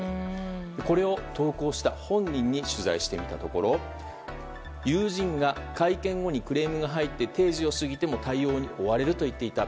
投稿した本人に取材したところ友人が会見後にクレームが入って定時を過ぎても対応に追われると言っていた。